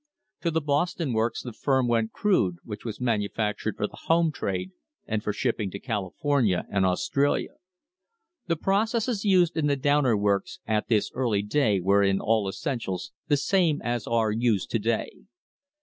To the Boston works the firm sent crude, which was manufactured for the home trade and [ 19 ] THE HISTORY OF THE STANDARD OIL COMPANY for shipping to California and Australia. The processes used in the Downer works at this early day were in all essentials the same as are used to day.